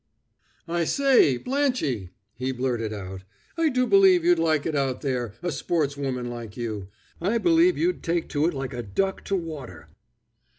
"I say, Blanchie!" he blurted out. "I do believe you'd like it out there, a sportswoman like you! I believe you'd take to it like a duck to water."